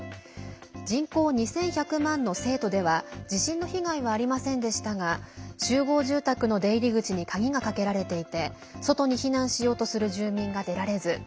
人口２１００万の成都では地震の被害はありませんでしたが集合住宅の出入り口に鍵がかけられていて外に避難しようとする住民が出られず